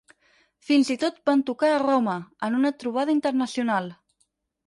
Fins i tot van tocar a Roma, en una trobada internacional.